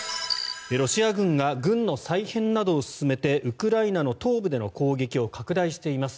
ロシア軍が軍の再編などを進めてウクライナの東部での攻撃を拡大しています。